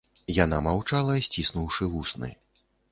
Яна маўчала, сціснуўшы вусны.